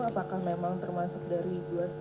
apakah memang termasuk dari